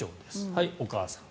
はい、お母さん。